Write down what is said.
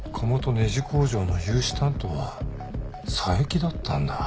ネジ工場の融資担当は佐伯だったんだ。